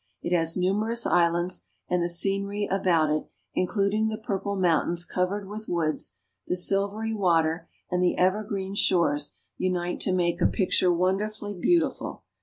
It has numerous islands; and the scenery about it, including the purple mountains covered with woods, the silvery water, and the evergreen shores, unite to make a picture wonderfully beautiful.